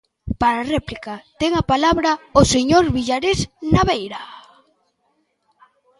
Para a réplica ten a palabra o señor Villares Naveira.